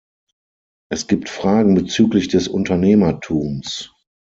Es gibt Fragen bezüglich des Unternehmertums.